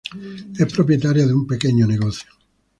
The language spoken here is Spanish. Es propietaria de un pequeño negocio.